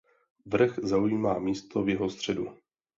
Vrch zaujímá místo v jeho středu.